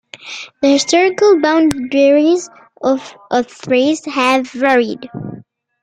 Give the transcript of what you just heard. The historical boundaries of Thrace have varied.